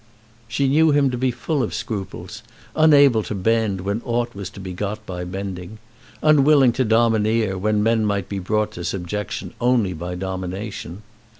She knew him to be full of scruples, unable to bend when aught was to be got by bending, unwilling to domineer when men might be brought to subjection only by domination.